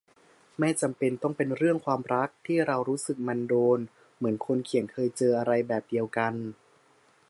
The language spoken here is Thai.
ไม่จำเป็นต้องเป็นเรื่องความรัก ที่เรารู้สึกมันโดน เหมือนคนเขียนเคยเจออะไรแบบเดียวกัน